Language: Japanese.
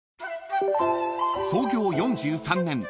［創業４３年